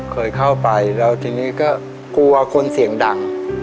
เคยเข้าไปแล้วทีนี้ก็กลัวคนเสียงดัง